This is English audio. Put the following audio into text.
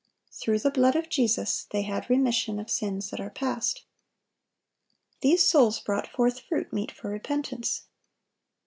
Through the blood of Jesus they had "remission of sins that are past." These souls brought forth fruit meet for repentance.